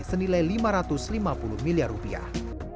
senilai lima ratus lima puluh miliar rupiah